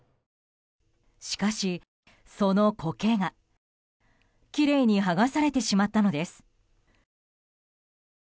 しかし、その苔が、きれいに剥がされてしまったのです。